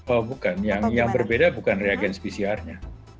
oh bukan yang berbeda bukan reagent pcr nya